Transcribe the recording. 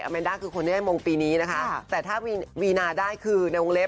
เอมแอนด้าคือคนในโมงปีนี้นะคะแต่ถ้าวีนาได้คือในโมงเร็บ